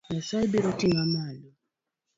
Nyasaye biro ting'i malo.